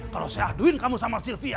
kalau saya aduin kamu sama sylvia